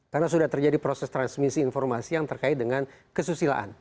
karena sudah terjadi proses transmisi informasi yang terkait dengan kesusilaan